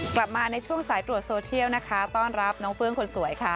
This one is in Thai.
กลับมาในช่วงสายตรวจโซเทียลนะคะต้อนรับน้องเฟื้องคนสวยค่ะ